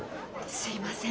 すいません。